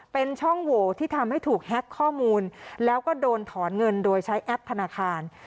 เป็นช่องโหวที่ทำให้ถูกแฮ็กข้อมูลแล้วก็โดนถอนเงินโดยใช้แอปธนาคาร